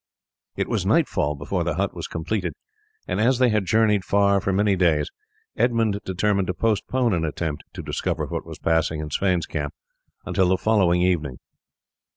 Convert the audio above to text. It was nightfall before the hut was completed; and as they had journeyed far for many days Edmund determined to postpone an attempt to discover what was passing in Sweyn's camp until the following evening.